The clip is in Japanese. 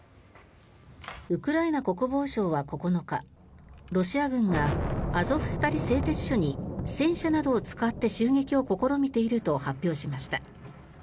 ウクライナ国防省は９日ロシア軍がアゾフスタリ製鉄所に戦車などを使って襲撃を試みていると発表しました。